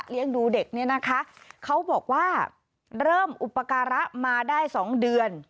ดูเด็กเนี่ยนะคะเขาบอกว่าเริ่มอุปการะมาได้สองเดือน